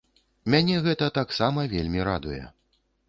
Мяне гэта таксама вельмі радуе.